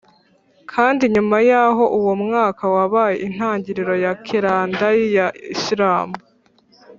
kandi nyuma yaho uwo mwaka wabaye intangiriro ya kalendari ya isilamu.